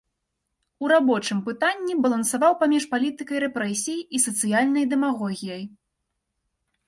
У рабочым пытанні балансаваў паміж палітыкай рэпрэсій і сацыяльнай дэмагогіяй.